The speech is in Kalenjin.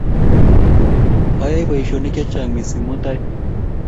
Ayoe poisyonik chechang' missing' mutai